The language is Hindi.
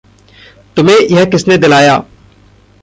तुम्हे यह किसने दिलाया?